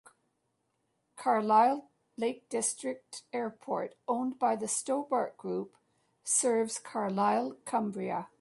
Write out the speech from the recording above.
Carlisle Lake District Airport, owned by the Stobart Group, serves Carlisle, Cumbria.